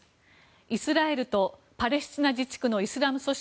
イスラエルとパレスチナ自治区の組織